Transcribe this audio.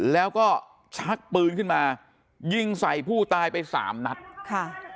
แล้วก็ชักปืนขึ้นมายิงใส่ผู้ตายไปสามนัดค่ะ